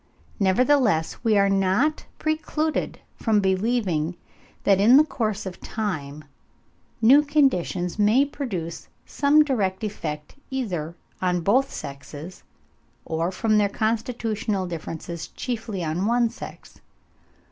Nevertheless we are not precluded from believing that in the course of time new conditions may produce some direct effect either on both sexes, or from their constitutional differences chiefly on one sex.